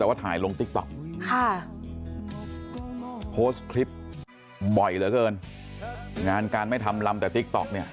แต่ว่าถ่ายลงติ๊กต๊อกค่ะโพสต์คลิปบ่อยเหลือเกินงานการไม่ทำลำแต่ติ๊กต๊อกเนี่ย